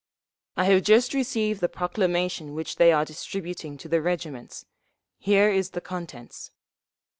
"I have just received the proclamation which they are distributing to the regiments. Here is the contents."